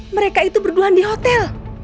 mereka itu bergelon di hotel